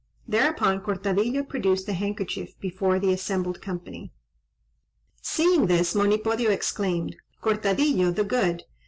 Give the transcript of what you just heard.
Thereupon Cortadillo produced the handkerchief before the assembled company. Seeing this, Monipodio exclaimed "Cortadillo the Good!